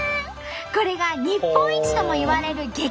これが日本一ともいわれる激